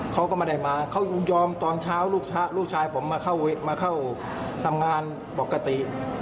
เขาก็ไม่ได้มาเขายินยอมตอนเช้าลูกชายผมมาเข้าทำงานปกติ